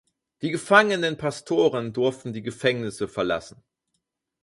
Die gefangenen Pastoren durften die Gefängnisse verlassen.